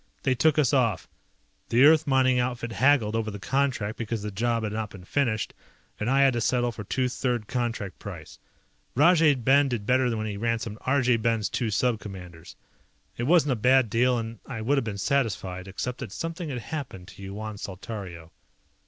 They took us off. The Earth mining outfit haggled over the contract because the job had not been finished and I had to settle for two third contract price. Rajay Ben did better when he ransomed Arjay Ben's two Sub Commanders. It wasn't a bad deal and I would have been satisfied, except that something had happened to Yuan Saltario.